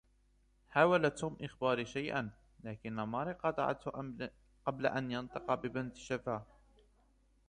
حاول توم إخباري شيئًا، لكنّ ماري قاطعته قبل أن ينطق ببنت شفة.